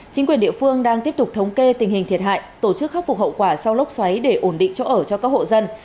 chính quyền địa phương đang tiếp tục thống kê tình hình thiệt hại tổ chức khắc phục hậu quả sau lốc xoáy để ổn định chỗ ở cho các hộ dân